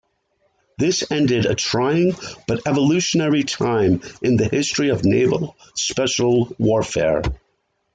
This ended a trying but evolutionary time in the history of Naval Special Warfare.